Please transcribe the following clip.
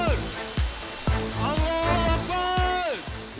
allah akbar allah akbar